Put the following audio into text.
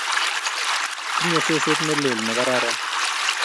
Tinye seset ne lel ne kararan